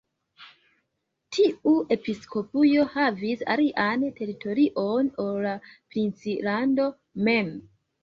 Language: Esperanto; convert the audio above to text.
Tiu episkopujo havis alian teritorion ol la princlando mem.